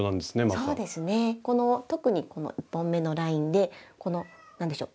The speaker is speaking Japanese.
そうですね特にこの１本目のラインでこの何でしょう